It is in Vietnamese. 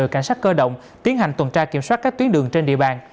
đội cảnh sát cơ động tiến hành tuần tra kiểm soát các tuyến đường trên địa bàn